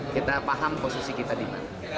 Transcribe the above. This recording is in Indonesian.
kita paham posisi kita di mana